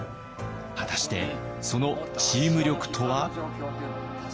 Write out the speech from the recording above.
果たしてそのチーム力とは？